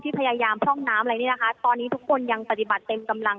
พยายามพร่องน้ำอะไรเนี่ยนะคะตอนนี้ทุกคนยังปฏิบัติเต็มกำลัง